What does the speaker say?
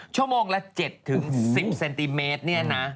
ชั่วโมงละ๗๑๐เซนติเมตรเนี่ยนะ